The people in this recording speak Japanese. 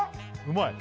うまい？